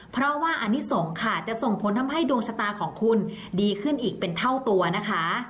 เพราะว่าอนิสงฆ์ค่ะจะส่งผลทำให้ดวงชะตาของคุณดีขึ้นอีกเป็นเท่าตัวนะคะ